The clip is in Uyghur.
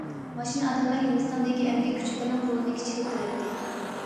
ماشىنا ئادەملەر ھىندىستاندىكى ئەمگەك كۈچلىرىنىڭ رولىنى كىچىكلىتىۋەتتى.